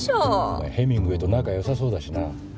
お前ヘミングウェイと仲良さそうだしな。